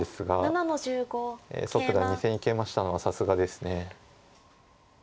蘇九段２線にケイマしたのはさすがです。